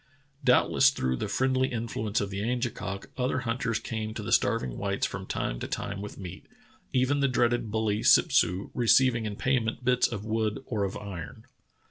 Doubtless through the friendly influence of the Angekok other hunters came to the starving whites from time to time with meat — even the dreaded bully, Sip su — receiving in payment bits of wood or of iron.